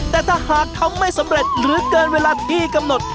แต่ถ้าหากทำไม่สำเร็จหรือเกินเวลาที่กำหนด